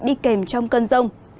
đi kèm trong cơn rông